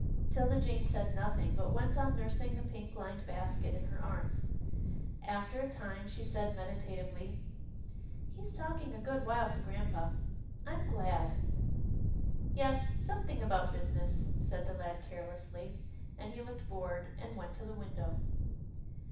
'Tilda Jane said nothing, but went on nursing the pink lined basket in her arms. After a time, she said meditatively, " He's talking a good while to grampa. I'm glad." " Yes, something about business," said the lad carelessly, and he looked bored, and went to the window.